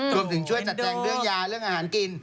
ช่วยจัดแจงเรื่องยาเรื่องอาหารกิน